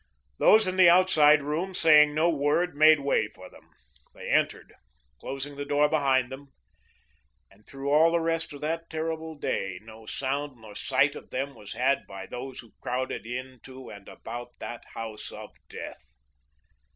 Those in the outside room, saying no word, made way for them. They entered, closing the door behind them, and through all the rest of that terrible day, no sound nor sight of them was had by those who crowded into and about that house of death.